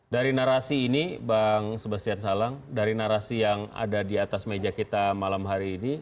dari narasi ini bang sebastian salang dari narasi yang ada di atas meja kita malam hari ini